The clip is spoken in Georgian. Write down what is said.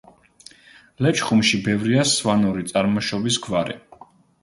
ლეჩხუმში ბევრია სვანური წარმოშობის გვარი.